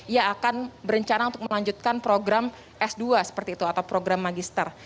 ia akan berencana untuk melanjutkan program s dua seperti itu atau program magister